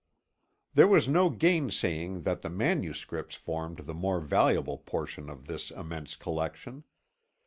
There was no gainsaying that the manuscripts formed the more valuable portion of this immense collection.